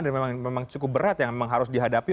dan memang cukup berat yang memang harus dihadapi